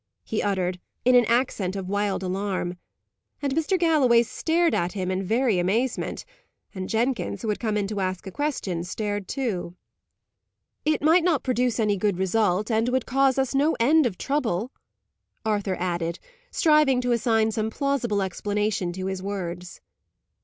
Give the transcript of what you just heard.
he uttered, in an accent of wild alarm. And Mr. Galloway stared at him in very amazement; and Jenkins, who had come in to ask a question, stared too. "It might not produce any good result, and would cause us no end of trouble," Arthur added, striving to assign some plausible explanation to his words.